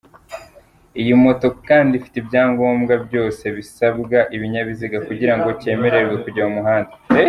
Iyi moto kandi ifite ibyangombwa byose bisabwa ikinyabiziga kugirango kemererwe kujya mu muhanda.